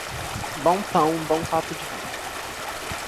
Bom pão, bom copo de vinho.